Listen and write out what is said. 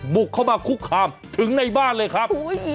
บุกเข้ามาคุกคามถึงในบ้านเลยครับ